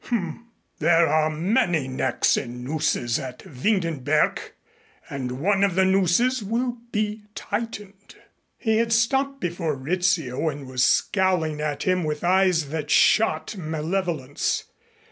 "H m. There are many necks in nooses at Windenberg. And one of the nooses will be tightened." He had stopped before Rizzio and was scowling at him with eyes that shot malevolence.